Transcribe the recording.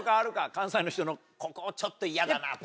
関西の人のここちょっと嫌だなとか。